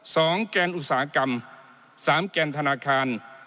แกนอุตสาหกรรมสามแกนธนาคาร